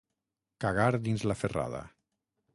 Cagar dins la ferrada.